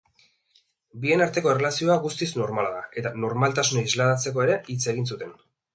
Bien arteko erlazioa guztiz normala da eta normaltasuna isladatzeko ere hitz egin zuten.